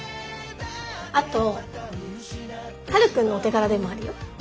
あとはるくんのお手柄でもあるよ。